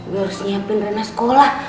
gua harus nyiapin rena sekolah